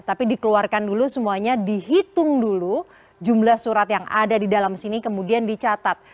tapi dikeluarkan dulu semuanya dihitung dulu jumlah surat yang ada di dalam sini kemudian dicatat